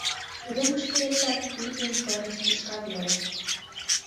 Уремыште эртак пий ден пырыс тӱшка веле.